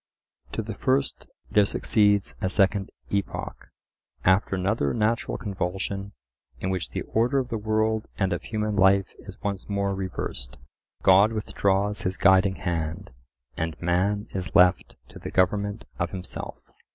To the first there succeeds a second epoch. After another natural convulsion, in which the order of the world and of human life is once more reversed, God withdraws his guiding hand, and man is left to the government of himself.